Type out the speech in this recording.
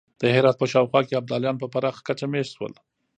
د هرات په شاوخوا کې ابدالیان په پراخه کچه مېشت شول.